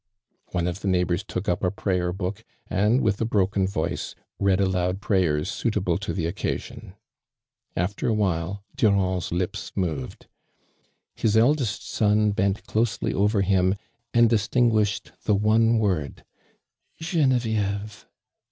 One of the neighbors took up a prayer book and with a broken voice, read aloud prayers suitable to the occasion. After a, while Durand's lips moved. His eldest son bent closely over him and distinguished the one word "Genevieve."'